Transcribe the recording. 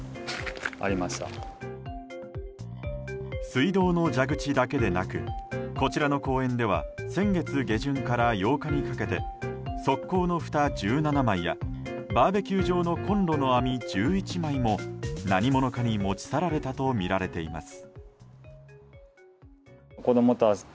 水道の蛇口だけでなくこちらの公園では先月下旬から８日にかけて側溝のふた１７枚やバーベキュー場のコンロの網１１枚も何者かに持ち去れたとみられています。